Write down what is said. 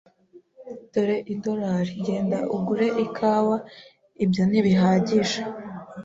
"Dore idorari. Genda ugure ikawa." "Ibyo ntibihagije."